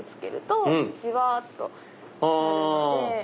じわっとなるので。